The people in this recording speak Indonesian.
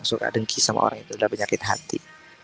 suka dengki sama orang itu udah penyakit hati